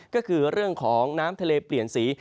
ก็คือเรื่องของน้ำทะเลเปลี่ยนสี